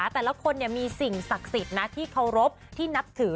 แต่ละคนมีสิ่งศักดิ์สิทธิ์นะที่เคารพที่นับถือ